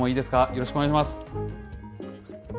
よろしくお願いします。